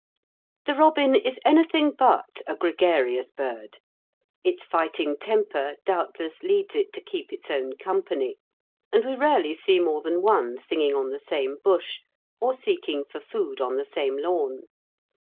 The robin is anything but a gregarious bird. Its fighting temper doubtless leads it to keep its own company, and we rarely see more than one singing on the same bush, or seeking for food on the same lawn.